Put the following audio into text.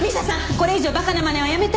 これ以上馬鹿なまねはやめて！